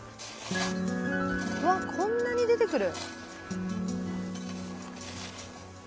うわっこんなに出てくる。